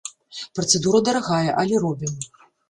Працэдура дарагая, але робім.